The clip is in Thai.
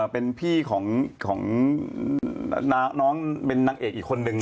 เป็นพี่ของน้องเป็นนางเอกอีกคนนึง